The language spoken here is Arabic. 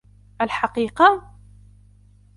الحقيقة ؟